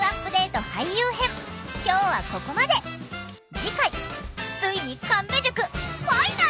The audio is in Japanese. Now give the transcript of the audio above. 次回ついに神戸塾ファイナル！